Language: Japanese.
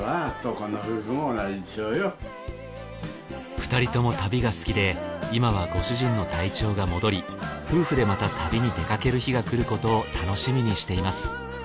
２人とも旅が好きで今はご主人の体調が戻り夫婦でまた旅に出かける日がくることを楽しみにしています